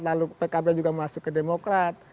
lalu pkb juga masuk ke demokrat